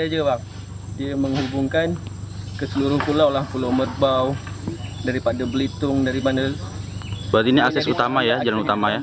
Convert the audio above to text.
jalan utama ya jalan utama ya